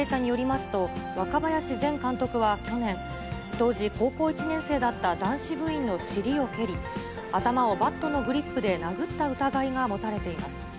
捜査関係者によりますと、若林前監督は去年、当時高校１年生だった男子部員の尻を蹴り、頭をバットのグリップで殴った疑いが持たれています。